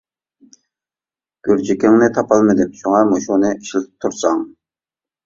گۈرجىكىڭنى تاپالمىدىم، شۇڭا مۇشۇنى ئىشلىتىپ تۇرساڭ.